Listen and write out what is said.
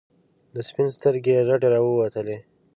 د سپین سترګي رډي راووتلې.